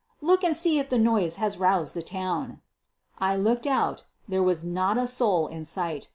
Look and see if the noise has roused the town." I looked out — there was not a soul in sight.